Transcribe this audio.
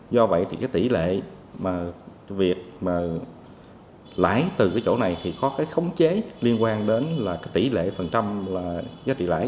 do vậy thì cái tỷ lệ mà việc mà lãi từ cái chỗ này thì có cái khống chế liên quan đến là cái tỷ lệ phần trăm là giá trị lãi